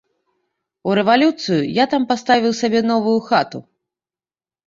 У рэвалюцыю я там паставіў сабе новую хату.